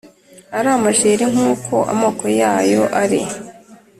ari amajeri nk uko amoko yayo ari